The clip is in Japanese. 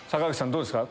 どうですか？